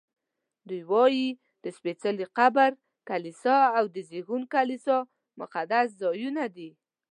دوی وایي د سپېڅلي قبر کلیسا او د زېږون کلیسا مقدس ځایونه دي.